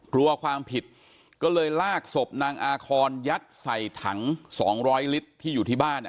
กลัวความผิดก็เลยลากศพนางอาคอนยัดใส่ถัง๒๐๐ลิตรที่อยู่ที่บ้าน